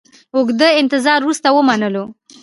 اوږده انتظار وروسته ومنلو.